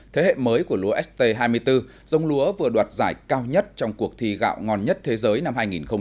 thế hệ mới của lúa st hai mươi bốn giống lúa vừa đoạt giải cao nhất trong cuộc thi gạo ngon nhất thế giới năm hai nghìn hai mươi